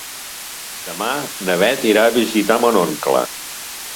Demà na Beth irà a visitar mon oncle.